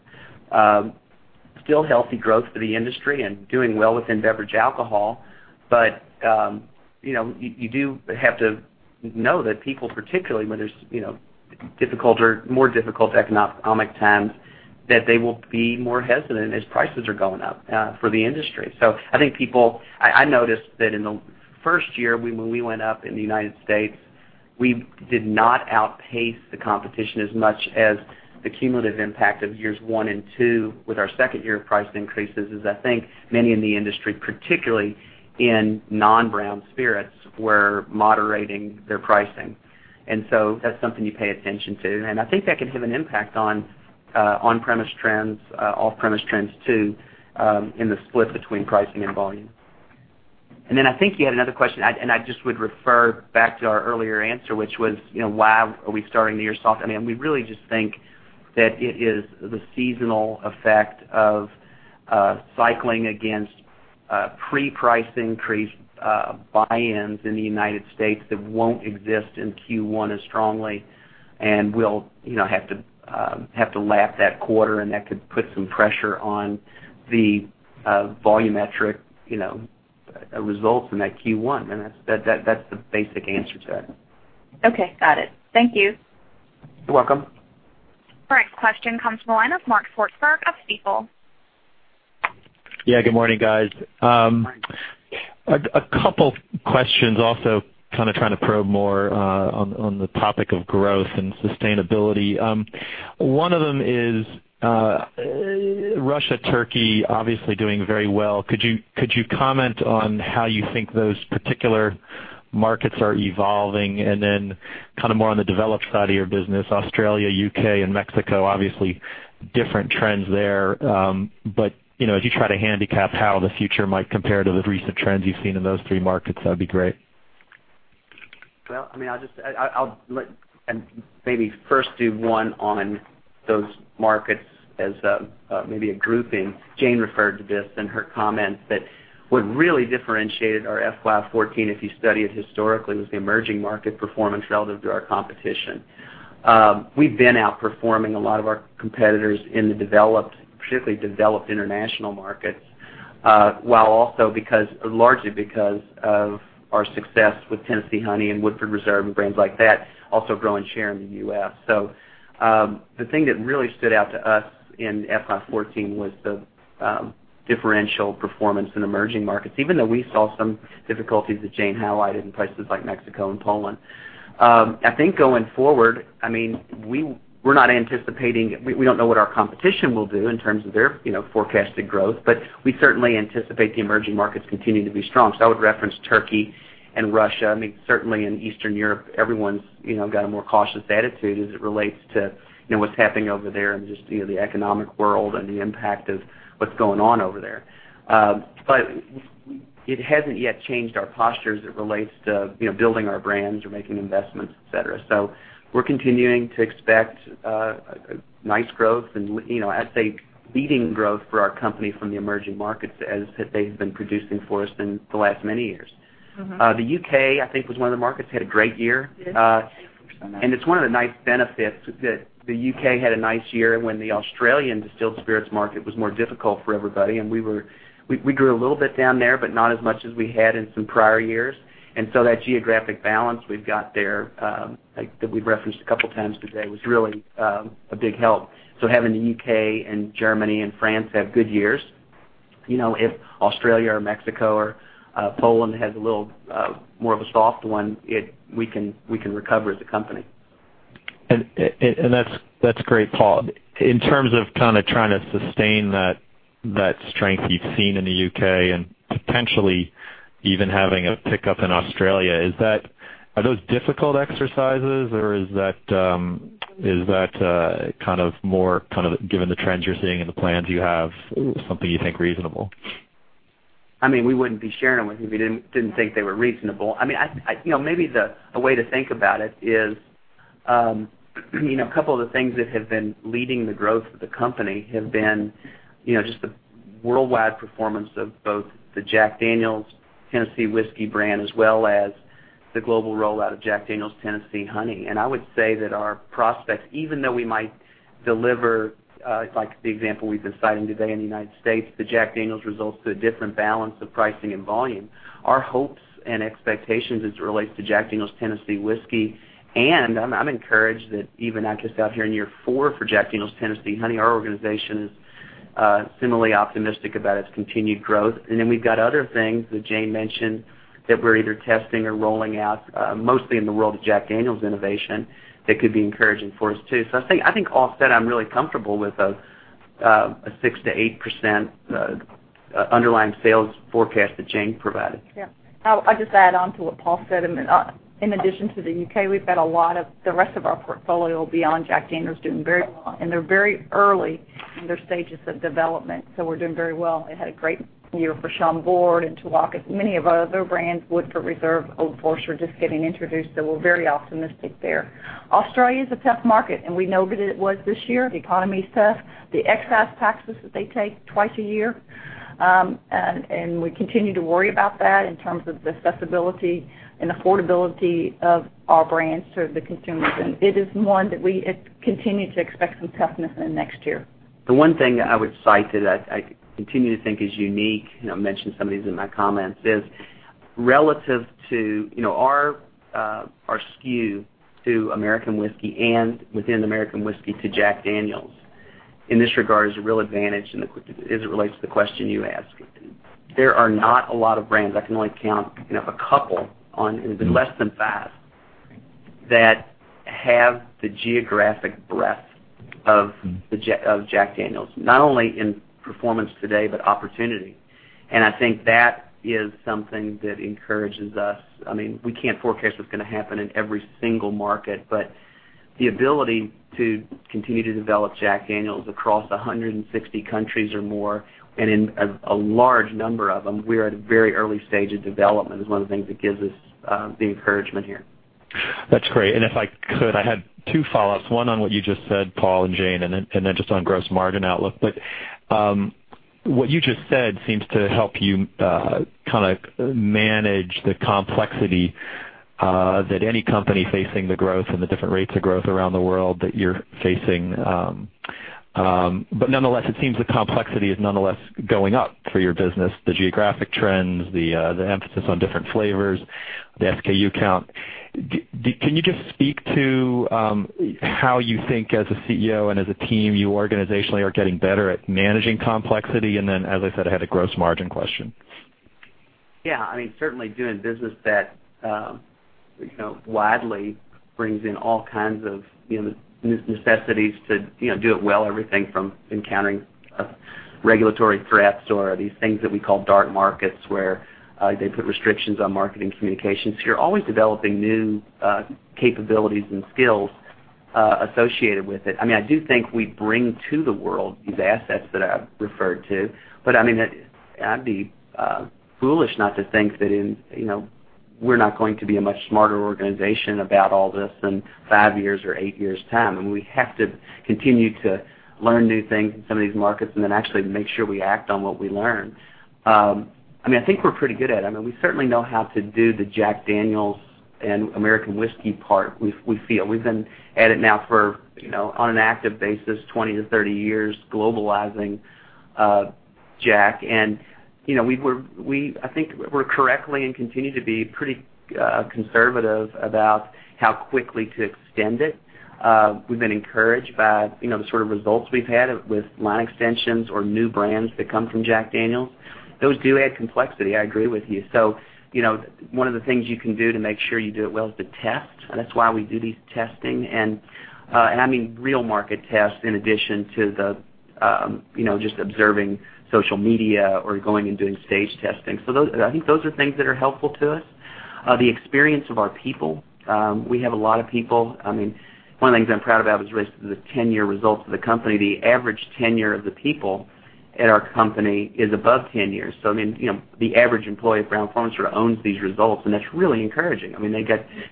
Speaker 4: Still healthy growth for the industry and doing well within beverage alcohol. You do have to know that people, particularly when there's more difficult economic times, that they will be more hesitant as prices are going up for the industry. I noticed that in the first year when we went up in the United States, we did not outpace the competition as much as the cumulative impact of years one and two with our second year of price increases, as I think many in the industry, particularly in non-brown spirits, were moderating their pricing. That's something you pay attention to, and I think that can have an impact on on-premise trends, off-premise trends, too, in the split between pricing and volume. I think you had another question, and I just would refer back to our earlier answer, which was, why are we starting the year off? We really just think that it is the seasonal effect of cycling against pre-price increase buy-ins in the United States that won't exist in Q1 as strongly, and we'll have to lap that quarter, and that could put some pressure on the volumetric results in that Q1. That's the basic answer to that.
Speaker 6: Okay. Got it. Thank you.
Speaker 4: You're welcome.
Speaker 1: Our next question comes from the line of Mark Swartzberg of Stifel.
Speaker 7: Good morning, guys. A couple questions also kind of trying to probe more on the topic of growth and sustainability. One of them is, Russia, Turkey obviously doing very well. Could you comment on how you think those particular markets are evolving? Kind of more on the developed side of your business, Australia, U.K., and Mexico, obviously different trends there. As you try to handicap how the future might compare to the recent trends you've seen in those three markets, that'd be great.
Speaker 4: Well, I'll let maybe first do one on those markets as maybe a grouping. Jane referred to this in her comments that what really differentiated our FY 2014, if you study it historically, was the emerging market performance relative to our competition. We've been outperforming a lot of our competitors in the developed, particularly developed international markets. While also largely because of our success with Tennessee Honey and Woodford Reserve and brands like that, also growing share in the U.S. The thing that really stood out to us in FY 2014 was the differential performance in emerging markets, even though we saw some difficulties that Jane highlighted in places like Mexico and Poland. I think going forward, we don't know what our competition will do in terms of their forecasted growth, but we certainly anticipate the emerging markets continuing to be strong. I would reference Turkey and Russia. Certainly in Eastern Europe, everyone's got a more cautious attitude as it relates to what's happening over there and just the economic world and the impact of what's going on over there. It hasn't yet changed our posture as it relates to building our brands or making investments, et cetera. We're continuing to expect nice growth and I'd say leading growth for our company from the emerging markets as they've been producing for us in the last many years. The U.K., I think, was one of the markets that had a great year.
Speaker 3: Yes.
Speaker 4: It's one of the nice benefits that the U.K. had a nice year when the Australian distilled spirits market was more difficult for everybody, and we grew a little bit down there, but not as much as we had in some prior years. That geographic balance we've got there, that we've referenced a couple of times today, was really a big help. Having the U.K. and Germany and France have good years, if Australia or Mexico or Poland has a little more of a soft one, we can recover as a company.
Speaker 7: That's great, Paul. In terms of trying to sustain that strength you've seen in the U.K. and potentially even having a pickup in Australia, are those difficult exercises or is that more given the trends you're seeing and the plans you have, something you think reasonable?
Speaker 4: We wouldn't be sharing them with you if we didn't think they were reasonable. Maybe a way to think about it is a couple of the things that have been leading the growth of the company have been just the worldwide performance of both the Jack Daniel's Tennessee Whiskey brand, as well as the global rollout of Jack Daniel's Tennessee Honey. I would say that our prospects, even though we might deliver, like the example we've been citing today in the U.S., the Jack Daniel's results to a different balance of pricing and volume, our hopes and expectations as it relates to Jack Daniel's Tennessee Whiskey, and I'm encouraged that even now, just out here in year four for Jack Daniel's Tennessee Honey, our organization is similarly optimistic about its continued growth. We've got other things that Jane mentioned that we're either testing or rolling out, mostly in the world of Jack Daniel's innovation, that could be encouraging for us, too. I think off that, I'm really comfortable with a 6%-8% underlying sales forecast that Jane provided.
Speaker 3: Yeah. I'll just add on to what Paul said. In addition to the U.K., we've got a lot of the rest of our portfolio beyond Jack Daniel's doing very well, and they're very early in their stages of development, so we're doing very well. They had a great year for Chambord and Talisker. Many of our other brands, Woodford Reserve, Old Forester, just getting introduced, so we're very optimistic there. Australia's a tough market, and we know that it was this year. The economy's tough. The excise taxes that they take twice a year, and we continue to worry about that in terms of the accessibility and affordability of our brands to the consumers, and it is one that we continue to expect some toughness in next year.
Speaker 4: The one thing that I would cite that I continue to think is unique, I mentioned some of these in my comments, is relative to our SKU to American Whiskey, and within American Whiskey, to Jack Daniel's, in this regard, is a real advantage as it relates to the question you asked. There are not a lot of brands, I can only count a couple, it would be less than five, that have the geographic breadth of Jack Daniel's, not only in performance today, but opportunity. I think that is something that encourages us. We can't forecast what's going to happen in every single market, but the ability to continue to develop Jack Daniel's across 160 countries or more, and in a large number of them, we are at a very early stage of development, is one of the things that gives us the encouragement here.
Speaker 7: That's great. If I could, I had two follow-ups, one on what you just said, Paul and Jane, then just on gross margin outlook. What you just said seems to help you manage the complexity that any company facing the growth and the different rates of growth around the world that you're facing. Nonetheless, it seems the complexity is nonetheless going up for your business, the geographic trends, the emphasis on different flavors, the SKU count. Can you just speak to how you think, as a CEO and as a team, you organizationally are getting better at managing complexity? Then, as I said, I had a gross margin question.
Speaker 4: Certainly doing business that widely brings in all kinds of necessities to do it well, everything from encountering regulatory threats or these things that we call dark markets, where they put restrictions on marketing communications. You're always developing new capabilities and skills associated with it. I do think we bring to the world these assets that I've referred to, but I'd be foolish not to think that we're not going to be a much smarter organization about all this in five years or eight years' time. We have to continue to learn new things in some of these markets and then actually make sure we act on what we learn. I think we're pretty good at it. We certainly know how to do the Jack Daniel's and American whiskey part, we feel. We've been at it now for, on an active basis, 20 to 30 years, globalizing Jack. I think we're correctly, and continue to be, pretty conservative about how quickly to extend it. We've been encouraged by the sort of results we've had with line extensions or new brands that come from Jack Daniel's. Those do add complexity, I agree with you. One of the things you can do to make sure you do it well is to test. That's why we do these testing, and I mean real market tests in addition to just observing social media or going and doing stage testing. I think those are things that are helpful to us. The experience of our people, we have a lot of people. One of the things I'm proud about was the 10-year results of the company. The average tenure of the people at our company is above 10 years. The average employee at Brown-Forman sort of owns these results, and that's really encouraging.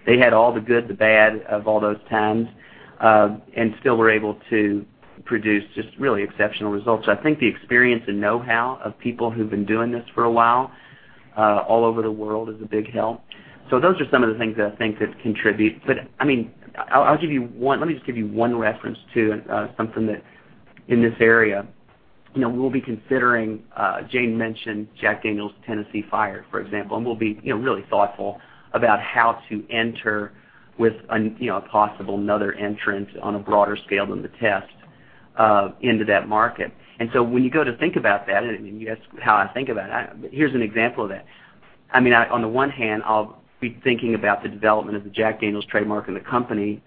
Speaker 4: They had all the good, the bad of all those times, and still were able to produce just really exceptional results. I think the experience and know-how of people who've been doing this for a while all over the world is a big help. Those are some of the things that I think that contribute. Let me just give you one reference to something that's in this area. We'll be considering, Jane mentioned Jack Daniel's Tennessee Fire, for example, and we'll be really thoughtful about how to enter with a possible another entrant on a broader scale than the test into that market. When you go to think about that, and you ask how I think about it, here's an example of that. On the one hand, I'll be thinking about the development of the Jack Daniel's trademark and the company,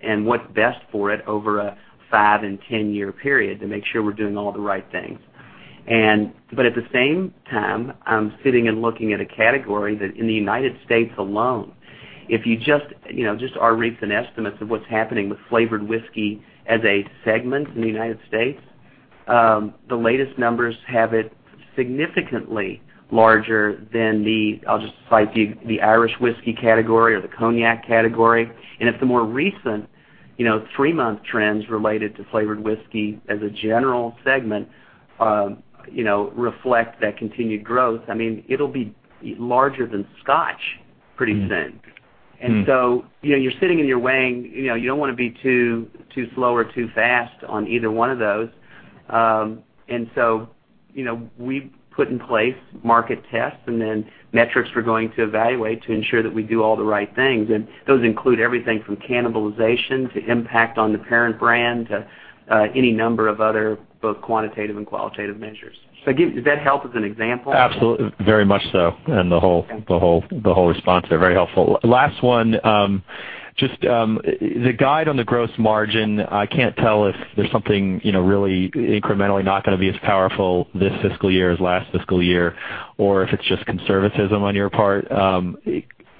Speaker 4: and what's best for it over a five and 10-year period to make sure we're doing all the right things. At the same time, I'm sitting and looking at a category that, in the United States alone, if you just are reading estimates of what's happening with flavored whiskey as a segment in the United States, the latest numbers have it significantly larger than the, I'll just cite the Irish whiskey category or the cognac category. If the more recent three-month trends related to flavored whiskey as a general segment reflect that continued growth, it'll be larger than scotch pretty soon. You're sitting and you're weighing, you don't want to be too slow or too fast on either one of those. We've put in place market tests and then metrics we're going to evaluate to ensure that we do all the right things, and those include everything from cannibalization to impact on the parent brand to any number of other both quantitative and qualitative measures. Does that help as an example?
Speaker 7: Absolutely. Very much so. The whole response there, very helpful. Last one, just the guide on the gross margin, I can't tell if there's something really incrementally not going to be as powerful this fiscal year as last fiscal year, or if it's just conservatism on your part.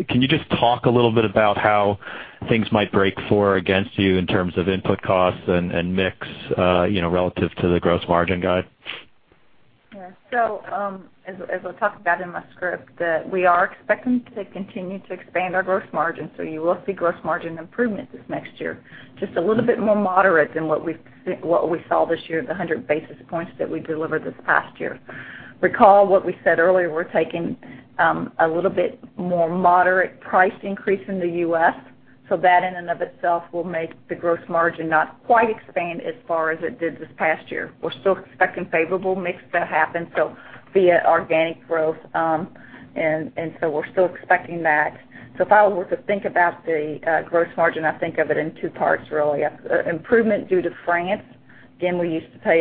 Speaker 7: Can you just talk a little bit about how things might break for or against you in terms of input costs and mix, relative to the gross margin guide?
Speaker 3: Yeah. As I talked about in my script, we are expecting to continue to expand our gross margin, you will see gross margin improvement this next year, just a little bit more moderate than what we saw this year, the 100 basis points that we delivered this past year. Recall what we said earlier, we're taking a little bit more moderate price increase in the U.S., that in and of itself will make the gross margin not quite expand as far as it did this past year. We're still expecting favorable mix to happen, via organic growth, we're still expecting that. If I were to think about the gross margin, I think of it in two parts, really. Improvement due to France. Again, we used to pay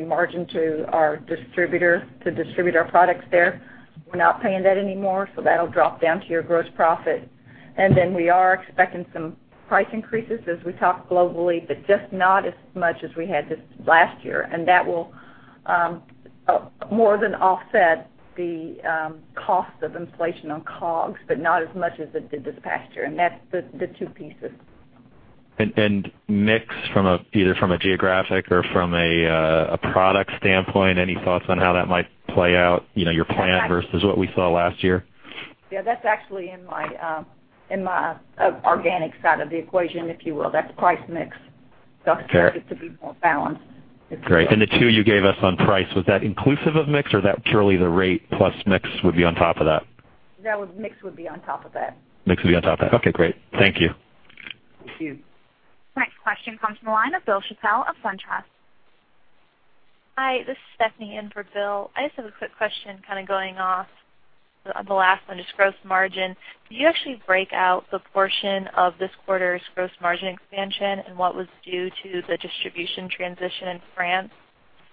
Speaker 3: a margin to our distributor to distribute our products there. We're not paying that anymore, that'll drop down to your gross profit. We are expecting some price increases as we talk globally, but just not as much as we had last year. That will more than offset the cost of inflation on COGS, but not as much as it did this past year. That's the two pieces.
Speaker 7: Mix, either from a geographic or from a product standpoint, any thoughts on how that might play out, your plan versus what we saw last year?
Speaker 3: Yeah, that's actually in my organic side of the equation, if you will. That's price mix.
Speaker 7: Okay.
Speaker 3: I expect it to be more balanced.
Speaker 7: Great. The two you gave us on price, was that inclusive of mix or is that purely the rate plus mix would be on top of that?
Speaker 3: Mix would be on top of that.
Speaker 7: Mix would be on top of that. Okay, great. Thank you.
Speaker 3: Thank you.
Speaker 1: Next question comes from the line of Bill Chappell of SunTrust.
Speaker 8: Hi, this is Stephanie in for Bill. I just have a quick question kind of going off of the last one, just gross margin. Did you actually break out the portion of this quarter's gross margin expansion and what was due to the distribution transition in France?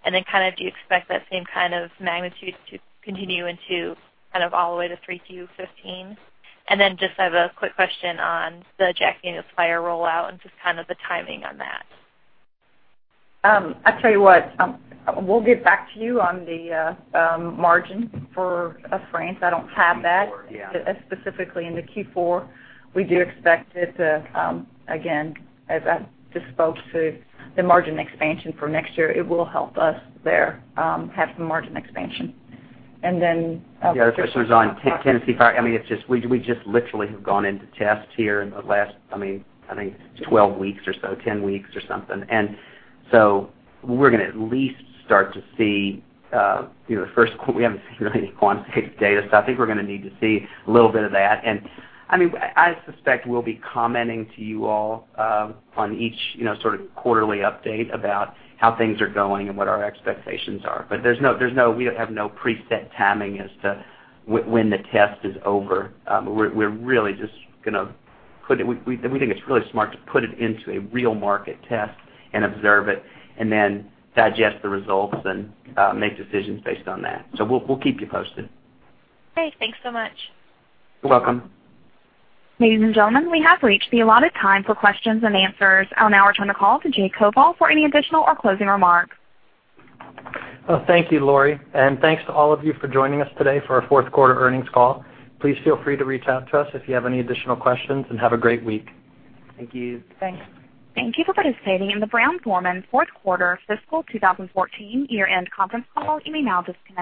Speaker 8: Do you expect that same kind of magnitude to continue into all the way to 3Q 2015? I have a quick question on the Jack Daniel's Fire rollout and just kind of the timing on that.
Speaker 3: I tell you what, we'll get back to you on the margin for France. I don't have that specifically.
Speaker 4: Q4, yeah.
Speaker 3: In the Q4, we do expect it to, again, as I just spoke to the margin expansion for next year, it will help us there, have some margin expansion.
Speaker 4: The other question was on Tennessee Fire. We just literally have gone into tests here in the last, I think, 12 weeks or so, 10 weeks or something. We haven't seen really any quantitative data, so I think we're going to need to see a little bit of that. I suspect we'll be commenting to you all on each sort of quarterly update about how things are going and what our expectations are. We have no preset timing as to when the test is over. We think it's really smart to put it into a real market test and observe it, and then digest the results and make decisions based on that. We'll keep you posted.
Speaker 8: Okay, thanks so much.
Speaker 4: You're welcome.
Speaker 1: Ladies and gentlemen, we have reached the allotted time for questions and answers. I'll now return the call to Jay Koval for any additional or closing remarks.
Speaker 2: Thank you, Lorrie, and thanks to all of you for joining us today for our fourth quarter earnings call. Please feel free to reach out to us if you have any additional questions, and have a great week.
Speaker 4: Thank you.
Speaker 3: Thanks.
Speaker 1: Thank you for participating in the Brown-Forman fourth quarter fiscal 2014 year-end conference call. You may now disconnect.